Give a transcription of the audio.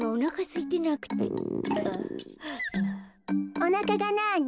おなかがなに？